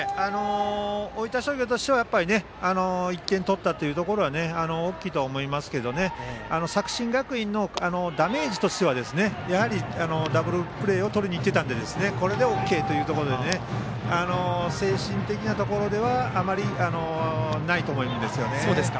大分商業としては１点を取ったというところは大きいとは思いますが作新学院のダメージとしてはやはり、ダブルプレーをとりにいっていたのでこれでＯＫというところで精神的なところではあまりないと思うんですよね。